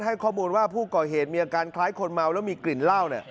ให้ข้อมูลว่าผู้ก่อเหตุมีอาการคล้ายคนเมาแล้วมีกลิ่นเหล้า